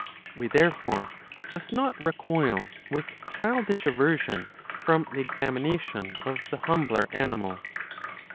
We therefore must not recoil with childish aversion from the examination of the humbler animals.